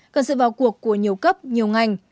cần sự vào cuộc của nhiều cấp nhiều ngành